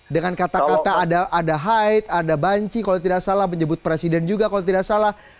dengan kata kata ada haid ada banci kalau tidak salah menyebut presiden juga kalau tidak salah